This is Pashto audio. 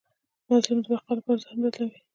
مظلوم د بقا لپاره ذهن بدلوي.